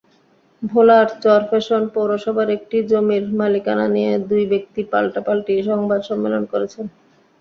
ভোলার চরফ্যাশন পৌরসভার একটি জমির মালিকানা নিয়ে দুই ব্যক্তি পাল্টাপাল্টি সংবাদ সম্মেলন করেছেন।